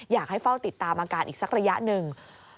อยากให้เฝ้าติดตามอาการอีกสักระยะหนึ่ง